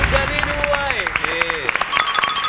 เจนนี่ด้วย